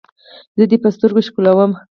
زه دې په سترګو ښکلوم.